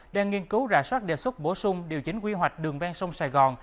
đang nghiên cứu rà soát đề xuất bổ sung điều chỉnh quy hoạch đường ven sông sài gòn